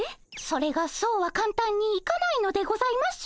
それがそうはかんたんにいかないのでございます。